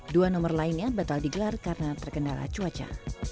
dua nomor lainnya batal digelar karena terkendala cuaca